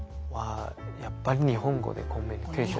やっぱり日本語でコミュニケーション。